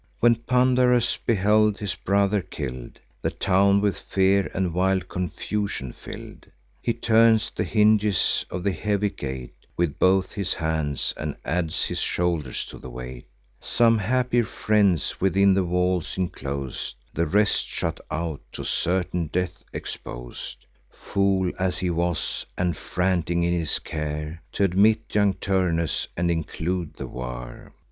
When Pandarus beheld his brother kill'd, The town with fear and wild confusion fill'd, He turns the hinges of the heavy gate With both his hands, and adds his shoulders to the weight Some happier friends within the walls inclos'd; The rest shut out, to certain death expos'd: Fool as he was, and frantic in his care, T' admit young Turnus, and include the war!